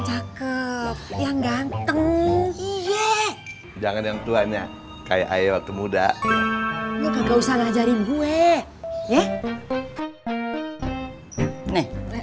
cakep yang ganteng iya jangan yang tuanya kayak ayo temuda lo gak usah ngajarin gue ya nih